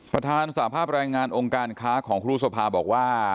ประธานสภาพแรงงานองค์การค้าของครูสภาบอกว่า